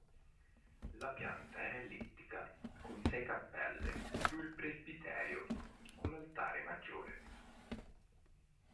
La pianta era ellittica con sei cappelle più il presbiterio con l'altare maggiore.